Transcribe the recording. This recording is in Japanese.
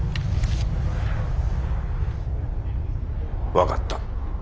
分かった。